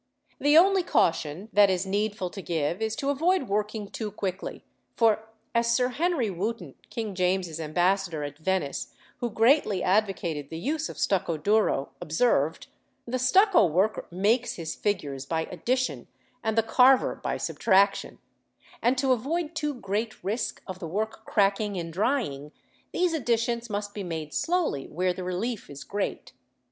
The only caution that it is needful to give is to avoid working too quickly; for, as Sir Henry Wooton, King James's ambassador at Venice, who greatly advocated the use of stucco duro, observed, the stucco worker "makes his figures by addition and the carver by subtraction," and to avoid too great risk of the work cracking in drying, these additions must be made slowly where the relief is great.